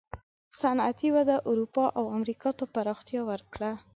صنعتي وده اروپا او امریکا ته پراختیا وکړه.